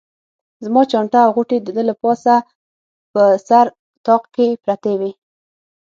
زما چانټه او غوټې د ده له پاسه په سر طاق کې پرتې وې.